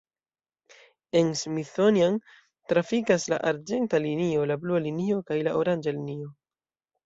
En Smithsonian trafikas la arĝenta linio, la blua linio kaj la oranĝa linio.